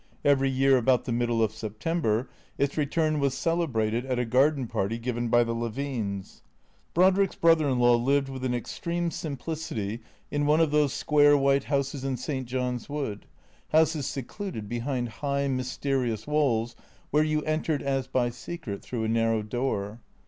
Every year, about the middle of September, its return was celebrated at a garden party given by the Levines. Brodrick's brother in law lived with an extreme simplicity in one of those square white houses in St. John's Wood, houses secluded behind high, mysterious walls, where you entered, as by secret, through a narrow door.